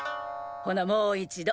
ほなもう一度。